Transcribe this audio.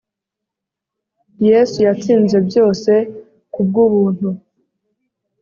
yesu yatsinze byose ku bw'ubuntu,